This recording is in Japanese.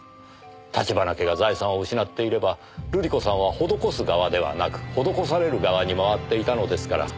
橘家が財産を失っていれば瑠璃子さんは施す側ではなく施される側に回っていたのですから。